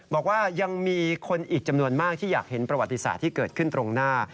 บอกว่ายังมีคนอีกจำนวนมากที่อยากเห็นประวัติศาสตร์ที่เกิดขึ้นตรงหน้า